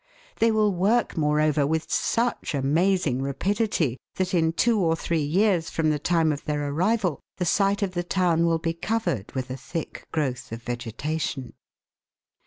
They will work, moreover, with such amazing rapidity, that in two or three years from the time of their arrival, the site of the town will be covered with a thick growth of vegetation.